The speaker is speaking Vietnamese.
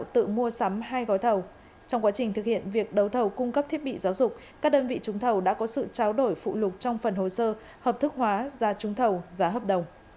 trong quá trình thực hiện việc đấu thầu cung cấp thiết bị giáo dục các đơn vị trúng thầu đã có sự tráo đổi phụ lục trong phần hồ sơ hợp thức hóa giá trúng thầu giá hợp đồng